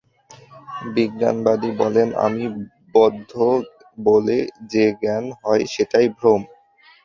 বিজ্ঞানবাদী বলেন, আমি বদ্ধ বলে যে জ্ঞান হয়, সেটাই ভ্রম।